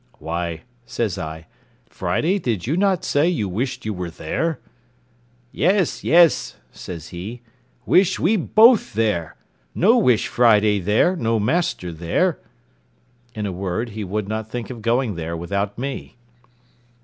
"Why," says I, "Friday, did not you say you wished you were there?" "Yes, yes," says he, "wish we both there; no wish Friday there, no master there." In a word, he would not think of going there without me.